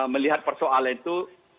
melihat persoalan itu